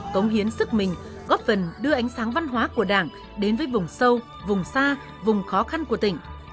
thức mình góp phần đưa ánh sáng văn hóa của đảng đến với vùng sâu vùng xa vùng khó khăn của tỉnh